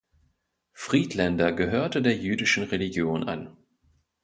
Friedländer gehörte der jüdischen Religion an.